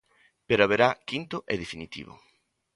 Pero haberá quinto e definitivo.